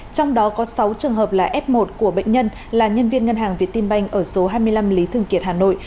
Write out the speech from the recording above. trong đó có sáu trường hợp là f một của bệnh nhân là nhân viên ngân hàng việt tiên banh ở số hai mươi năm lý thường kiệt hà nội